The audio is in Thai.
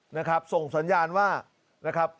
นะครับส่งสัญญาณว่านะครับ